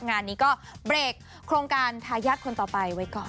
งานนี้ก็เบรกโครงการทายาทคนต่อไปไว้ก่อน